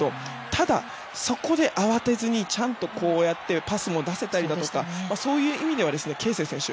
ただ、そこで慌てずにちゃんとパスも出せたりとかそういう意味では、啓生選手